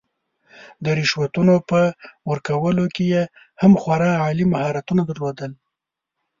د رشوتونو په ورکولو کې یې هم خورا عالي مهارتونه درلودل.